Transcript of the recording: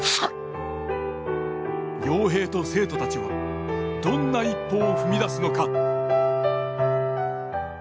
陽平と生徒たちはどんな一歩を踏み出すのか。